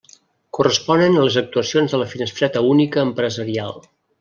Corresponen a les actuacions de la Finestreta Única Empresarial.